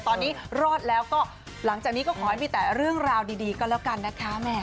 ตอนนี้รอดแล้วก็หลังจากนี้ก็ขอให้มีแต่เรื่องราวดีก็แล้วกันนะคะ